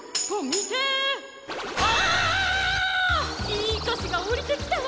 いいかしがおりてきたわ！